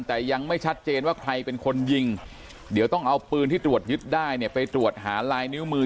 แต่ยังไม่ชัดเจนว่าใครเป็นคนยิงเดี๋ยวต้องเอาปืนที่ตรวจยึดได้เนี่ยไปตรวจหาลายนิ้วมือ